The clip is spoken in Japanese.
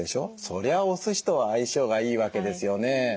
そりゃおすしとは相性がいいわけですよね。